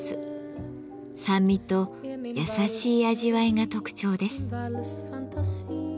酸味と優しい味わいが特徴です。